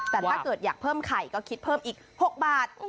แต่ถ้าเกิดอยากเพิ่มไข่ก็คิดเพิ่มอีก๖บาท